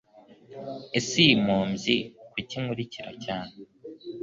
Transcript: ese iyi nyombyi kuki inkurikira cyane